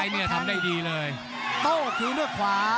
เต้าออกดีด้วยขวา